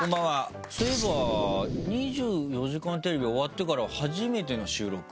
そういえば『２４時間テレビ』終わってから初めての収録？